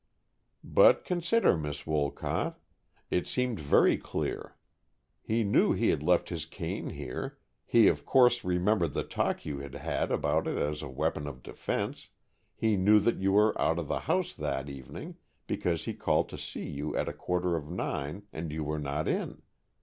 "But consider, Miss Wolcott! It seemed very clear. He knew he had left his cane here, he of course remembered the talk you had had about it as a weapon of defense, he knew that you were out of the house that evening, because he called to see you at a quarter of nine and you were not in.